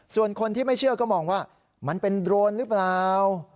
ส่วนคนที่ไม่เชื่อก็มองว่ามันเป็นโดรนหรือเปล่า